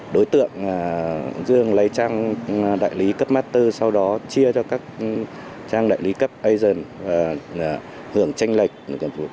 đối tượng dương lấy trang đại lý cấp master sau đó chia cho các trang đại lý cấp asian và hưởng tranh lệch với giá đô thỏa thuận